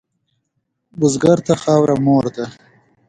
بزګر ته خاوره مور ده